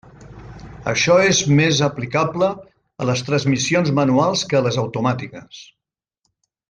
Això és més aplicable a les transmissions manuals que a les automàtiques.